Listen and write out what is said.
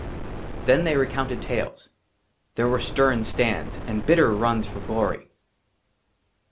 THEN THEY RECOUNTED TALES, " THERE WERE STERN STANDS " AND BITTER RUNS FOR GLORY."